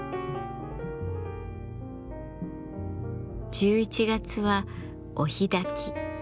１１月は「お火焚き」。